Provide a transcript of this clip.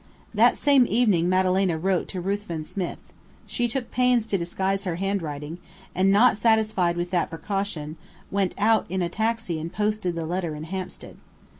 That same evening Madalena wrote to Ruthven Smith. She took pains to disguise her handwriting, and not satisfied with that precaution, went out in a taxi and posted the letter in Hampstead.